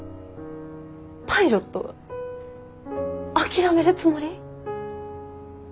パイロット諦めるつもり？